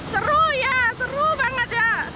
seru ya seru banget ya